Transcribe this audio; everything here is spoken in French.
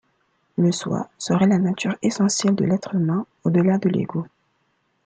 Le Soi serait la nature essentielle de l’être humain, au-delà de l’ego.